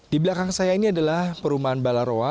di belakang saya ini adalah perumahan balaroa